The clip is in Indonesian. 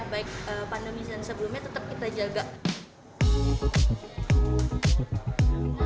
baik pandemi dan sebelumnya tetap kita jaga